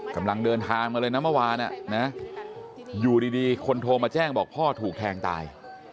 กำลังเดินทางมาเลยนะเมื่อวานอยู่ดีคนโทรมาแจ้งบอกพ่อถูกแทงตาย